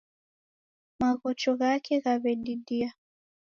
Maghocho ghake ghaw'edidia